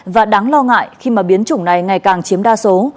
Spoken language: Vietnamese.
và đáng lo ngại khi mà biến chủng này ngày càng chiếm đa số